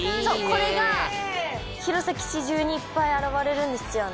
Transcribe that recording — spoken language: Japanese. これが弘前市中にいっぱい現れるんですよね